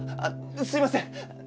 あっすいません。